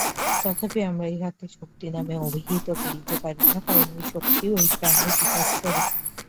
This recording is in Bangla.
তথাপি আমরা ইহাকে শক্তি-নামে অভিহিত করিতে পারি না, কারণ শক্তি ঐ প্রাণের বিকাশস্বরূপ।